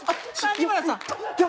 谷村さん